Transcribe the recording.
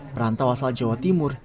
merantau asal jawa timur